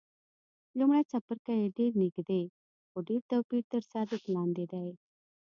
لومړی څپرکی یې ډېر نږدې، خو ډېر توپیر تر سرلیک لاندې دی.